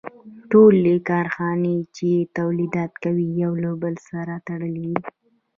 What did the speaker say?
ټولې کارخانې چې تولیدات کوي یو له بل سره تړلي دي